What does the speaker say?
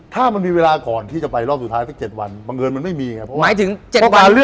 ถ้ามันมีเวลาก่อนที่จะไปรอบสุดท้ายสัก๗วันบังเอิญมันไม่มีไง